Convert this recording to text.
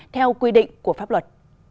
theo quy định của pháp luật